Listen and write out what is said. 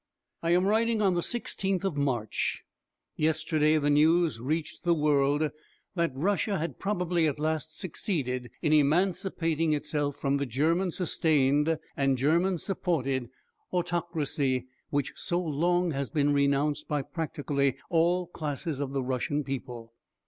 I am writing on the 16th of March. Yesterday the news reached the world that Russia had probably at last succeeded in emancipating itself from the German sustained and German supported autocracy which so long has been renounced by practically all classes of the Russian people.